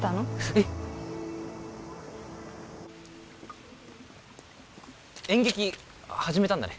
えっ演劇始めたんだね